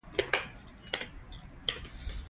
غرمه د زړونو سکون راوړي